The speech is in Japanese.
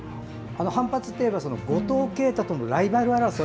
反発というのは五島慶太とのライバル争い